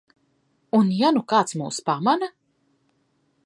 Un ja nu kāds mūs pamana?